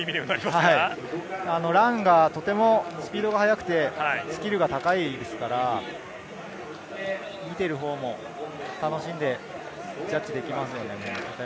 ランがとてもスピードが速くて、スキルが高いですから見ているほうも楽しんでジャッジできますね。